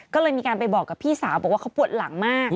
ก็เลยมีการไปบอกกับพี่สาวบอกว่าเขาปวดหลังมาก